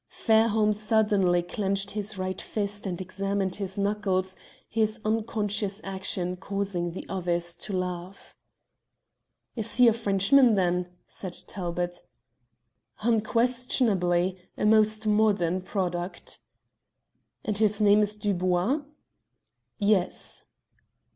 Fairholme suddenly clenched his right fist and examined his knuckles, his unconscious action causing the others to laugh. "Is he a Frenchman, then?" said Talbot. "Unquestionably a most modern product." "And his name is Dubois?" "Yes."